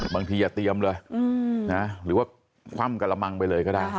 อย่าเตรียมเลยหรือว่าคว่ำกระมังไปเลยก็ได้